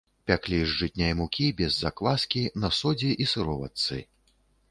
Пяклі з жытняй мукі без закваскі, на содзе і сыроватцы.